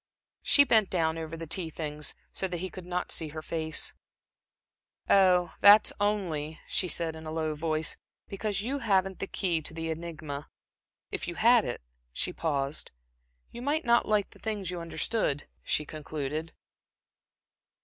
She bent down over the tea things, so that he could not see her face. "Oh, that's only," she said, in a low voice "because you haven't the key to the enigma. If you had it" She paused. "You might not like the things you understood," she concluded.